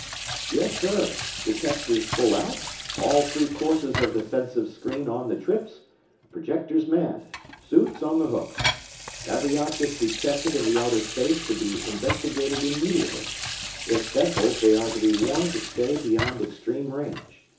"Yes, sir. Detectors full out, all three courses of defensive screen on the trips, projectors manned, suits on the hooks. Every object detected in the outer space to be investigated immediately if vessels, they are to be warned to stay beyond extreme range.